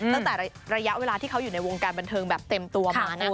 ตั้งแต่ระยะเวลาที่เขาอยู่ในวงการบันเทิงแบบเต็มตัวมานะ